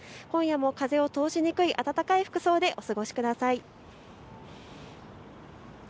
今夜も風を通しにくい暖かい服装でお過ごしください。